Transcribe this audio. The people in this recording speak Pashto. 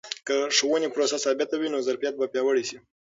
که د ښوونې پروسه ثابته وي، نو ظرفیت به پیاوړی سي.